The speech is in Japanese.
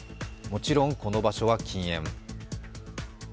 もちろん、この場所は禁煙。